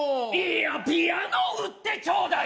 いやピアノ売ってちょだい！！